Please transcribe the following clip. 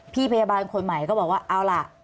พี่พยาบาลคนใหม่ก็บอกว่าเอาล่ะ